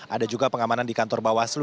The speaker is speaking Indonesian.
ada juga pengamanan di kantor bawaslu